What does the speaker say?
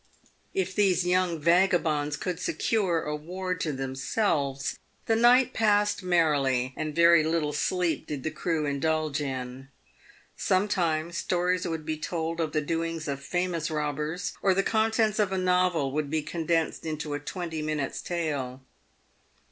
If these young vagabonds could secure a ward to themselves, the night passed, merrily, and very little sleep did the crew indulge in. Sometimes stories would be told of the doings of famous robbers, or the contents of a novel would be condensed into a twenty minutes' , tale.